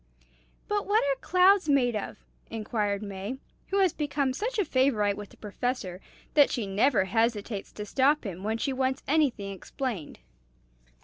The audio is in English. "But what are clouds made of?" inquires May, who has become such a favorite with the Professor that she never hesitates to stop him when she wants anything explained.